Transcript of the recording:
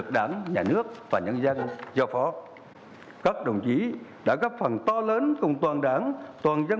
các đồng chí đã gấp phần to lớn cùng toàn đảng toàn dân